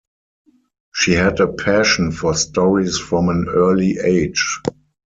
She had a passion for stories from an early age.